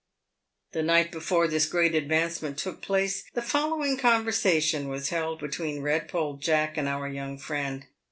The night before this great advancement took place, the following conversation was held between Redpole Jack and our young friend.